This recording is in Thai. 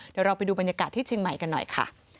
เดี๋ยวเราไปดูบรรยากาศที่เชียงใหม่กันหน่อยค่ะ